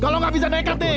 kalau gak bisa nekati